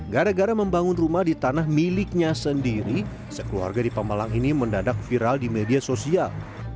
gara gara membangun rumah di tanah miliknya sendiri sekeluarga di pemalang ini mendadak viral di media sosial